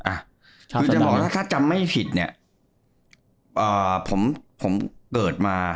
อ่าคือจะบอกว่าถ้าถ้าจำไม่ผิดเนี้ยอ่าผมผมเกิดมา